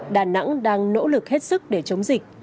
đà nẵng đang nỗ lực hết sức để chống dịch